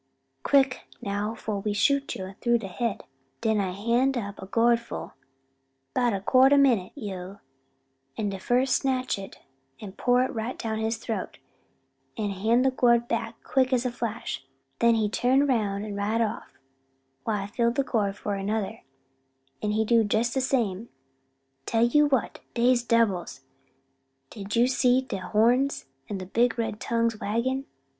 quick now fo' we shoot you tru the head': den I hand up a gourd full 'bout a quart min' yo', an de fust snatch it an' pour it right down his troat, an' hand de gourd back quick's a flash; den he turn roun' an' ride off, while I fill de gourd for de udder, an' he do jes de same. Tell ye what dey's debbils! didn't you see de horns, an' de big red tongues waggin'?"